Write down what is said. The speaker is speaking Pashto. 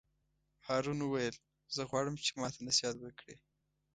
هارون وویل: زه غواړم چې ماته نصیحت وکړې.